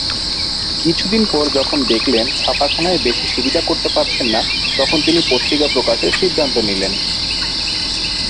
কিছুদিন পর যখন দেখলেন ছাপাখানায় বেশি সুবিধা করতে পারছেন না তখন তিনি পত্রিকা প্রকাশের সিদ্ধান্ত নিলেন।